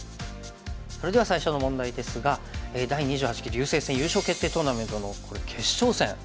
それでは最初の問題ですが第２８期竜星戦優勝決定トーナメントのこれ決勝戦。